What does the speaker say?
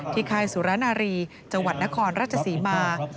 ที่คายสุรณารีย์จังหวัดนครราชศรีมาร